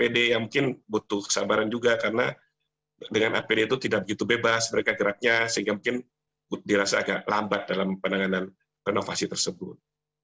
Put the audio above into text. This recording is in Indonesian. dengan apd itu tidak begitu bebas mereka geraknya sehingga mungkin dirasa agak lambat dalam penanganan renovasi tersebut